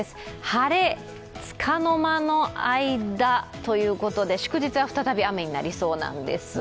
晴れ、つかの間の間ということで祝日は再び雨になりそうなんです。